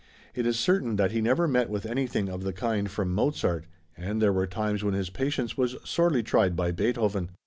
It is certain that he never met with anything of the kind from Mozart, and there were times when his patience was sorely tried by Beethoven.